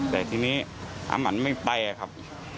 แต่ทีนี้อาหมันไม่ไปครับ